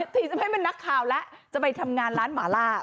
ทีจะไม่เป็นนักข่าวแล้วจะไปทำงานร้านหมาล่า